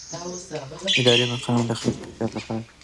اداري مقررات د خدمت د کیفیت لپاره دي.